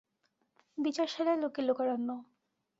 বিচারশালা লোকে লোকারণ্য।